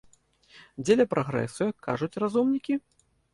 Дзеля прагрэсу, як кажуць разумнікі?